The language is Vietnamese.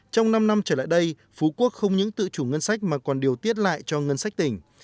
trong năm năm trở lại đây phú quốc không những tự chủ ngân sách mà còn điều tiết lại cho ngân sách tỉnh